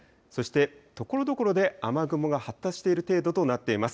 そして、ところどころで雨雲が発達している程度となっています。